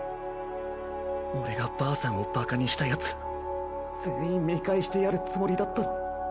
俺がばあさんをバカにしたヤツら・全員見返してやるつもりだったのに。